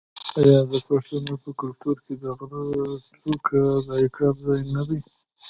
آیا د پښتنو په کلتور کې د غره څوکه د عقاب ځای نه دی؟